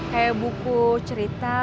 kayak buku cerita